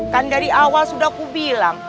kan dari awal sudah aku bilang